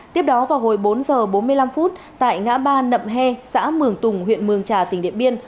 tiếp đó vào hồi bốn h bốn mươi năm phút tại ngã ba nậm he xã mường tùng huyện mường trà tỉnh điện biên